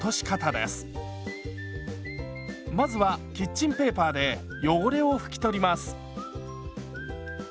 まずはキッチンペーパーで汚れを拭き取ります。